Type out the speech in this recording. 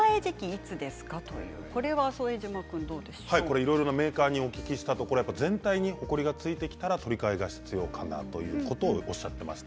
いろいろなメーカーにお聞きしたところ、全体にほこりが付いてきたら取り替えが必要かなということをおっしゃっていました。